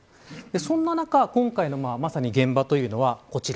そんな中、今回のまさに現場というのはこちら。